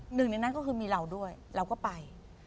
หนึ่งในนั้นก็คือมีเราด้วยเราก็ไป